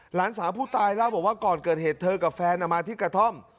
หลานสาวผู้ตายเล่าบอกว่าก่อนเกิดเหตุเธอกับแฟนมาที่กระท่อม